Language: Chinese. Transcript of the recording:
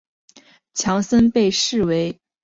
强森被视为史上最伟大的摔角选手之一。